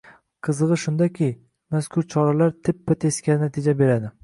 Qizig‘i shundaki, mazkur «chora»lar teppa-teskari natija beradi